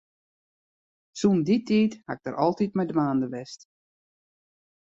Sûnt dy tiid ha ik dêr altyd mei dwaande west.